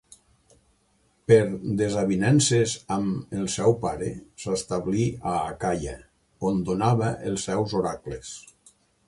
Per desavinences amb el seu pare, s'establí a Acaia, on donava els seus oracles.